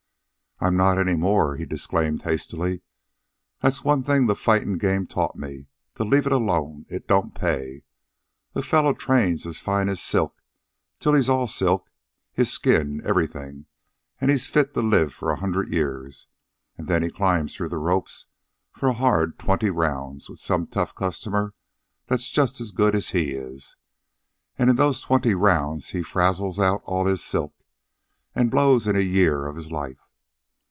"I'm not any more," he disclaimed hastily. "That's one thing the fightin' game taught me to leave it alone. It don't pay. A fellow trains as fine as silk till he's all silk, his skin, everything, and he's fit to live for a hundred years; an' then he climbs through the ropes for a hard twenty rounds with some tough customer that's just as good as he is, and in those twenty rounds he frazzles out all his silk an' blows in a year of his life.